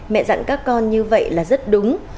mẹ dặn các con như vậy là rất đúng